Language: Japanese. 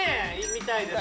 見たいです